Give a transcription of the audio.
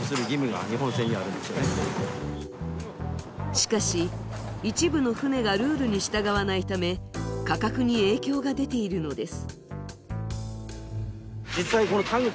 しかし、一部の船がルールに従わないため、価格に影響が出ているのです。